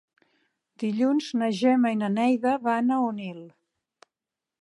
Dilluns na Gemma i na Neida van a Onil.